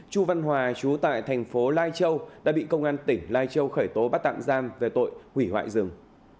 chu văn hòa chú tại thành phố lai châu đã bị công an tỉnh lai châu khởi tố bắt tạm giam về tội hủy hoại rừng